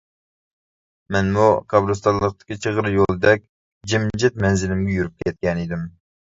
مەنمۇ قەبرىستانلىقتىكى چىغىر يولدەك جىمجىت مەنزىلىمگە يۈرۈپ كەتكەنىدىم.